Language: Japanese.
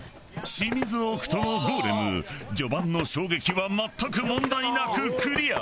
シミズオクトのゴーレム序盤の衝撃は全く問題なくクリア。